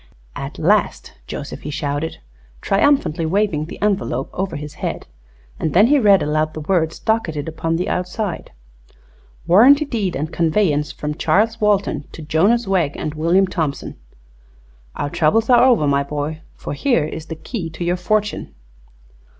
"At last, Joseph!" he shouted, triumphantly waving the envelope over his head. And then he read aloud the words docketed upon the outside: "'Warranty Deed and Conveyance from Charles Walton to Jonas Wegg and William Thompson.' Our troubles are over, my boy, for here is the key to your fortune."